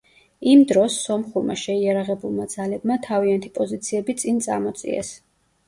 იმ დროს, სომხურმა შეიარაღებულმა ძალებმა თავიანთი პოზიციები წინ წამოწიეს.